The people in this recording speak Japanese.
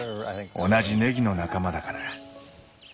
同じねぎの仲間だから。